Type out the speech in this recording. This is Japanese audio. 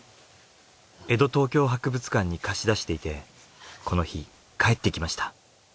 江戸東京博物館に貸し出していてこの日帰ってきました。